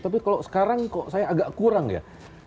tapi kalau sekarang kok saya agak kurang ya